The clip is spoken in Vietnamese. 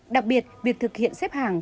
đặc biệt việc thực hiện xếp hàng